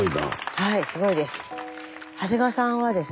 はいすごいです。